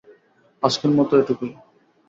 আজকের মতো এটুকুই।